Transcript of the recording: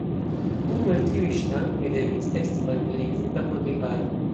Unu el tiuj ŝrankoj devis esti malplenigita por riparo.